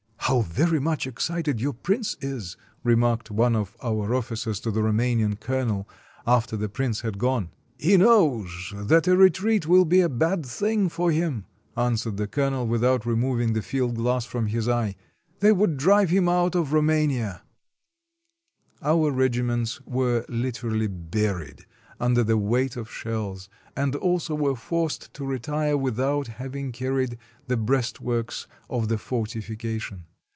"How very much excited your prince is," remarked one of our officers to the Roumanian colonel after the prince had gone. "He knows that a retreat will be a bad thing for him," answered the colonel, without removing the field glass from his eye; " they would drive him out of Roumania." 222 THE CAPTURE OF A REDOUBT Our regiments were literally buried under the weight of shells, and also were forced to retire without having carried the breastworks of the fortification.